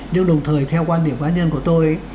nhưng đồng thời theo quan điểm cá nhân của tôi